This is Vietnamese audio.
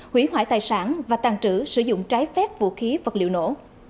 hủy hoại tài sản và tàn trữ sử dụng trái phép vũ khí vật liệu nổ